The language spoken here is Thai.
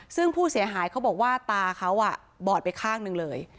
ซึ่งผู้เสียหายเขาบอกว่าตาเขาบอดไปข้างหนึ่งเลย